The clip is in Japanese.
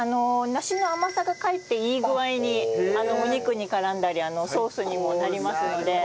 梨の甘さがかえっていい具合にお肉に絡んだりソースにもなりますので。